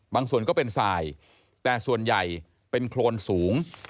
บางส่วนก็เป็นไซล์แต่ส่วนใหญ่เป็นคลนสูง